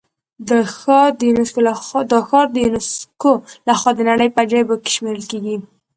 دا ښار د یونسکو له خوا د نړۍ په عجایبو کې شمېرل کېږي.